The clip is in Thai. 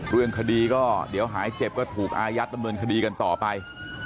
เรื่องคดีก็เดี๋ยวหายเจ็บก็ถูกอายัดดำเนินคดีกันต่อไป